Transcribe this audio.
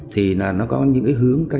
thì nó có những hướng